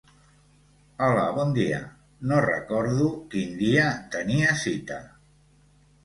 Hola bon dia, no recordo quin dia tenia cita.